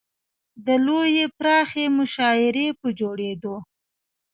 د لویې پراخې مشاعرې پر جوړېدو.